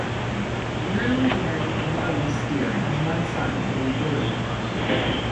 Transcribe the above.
Drew is married to Amber Lee-Steere and has one son, named Bailey.